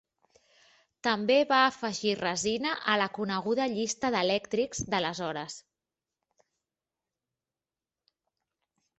També va afegir resina a la coneguda llista d'elèctrics d'aleshores.